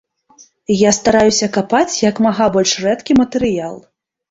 Я стараюся капаць як мага больш рэдкі матэрыял.